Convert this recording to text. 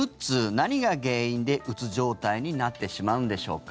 何が原因で、うつ状態になってしまうんでしょうか。